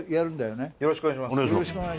よろしくお願いします。